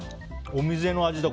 お店の味だ。